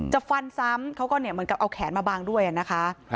ฟันซ้ำเขาก็เหมือนกับเอาแขนมาบางด้วยนะคะ